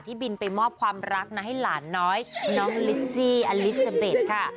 บินไปมอบความรักนะให้หลานน้อยน้องลิซี่อลิซาเบสค่ะ